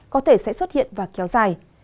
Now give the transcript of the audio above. có thể sẽ xuất hiện và kéo dài